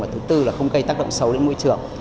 và thứ tư là không gây tác động xấu đến môi trường